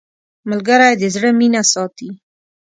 ملګری د زړه مینه ساتي